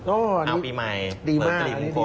เอ้าปีใหม่เซอร์ฟศิลป์มงคล